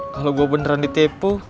kalau gue beneran ditipu